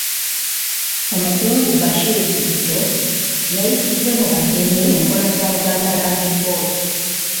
Omukungu Bashir Kizito yayitidde mu bagenyi enkola za Buganda Land Board.